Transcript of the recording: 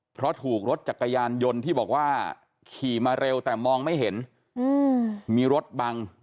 เพราะถูกรถจักรยานยนต์ที่บอกว่าขี่มาเร็วแต่มองไม่เห็นมีรถบัง